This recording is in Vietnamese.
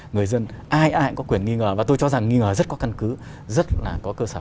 người dân ai ai cũng có quyền nghi ngờ và tôi cho rằng nghi ngờ rất có căn cứ rất là có cơ sở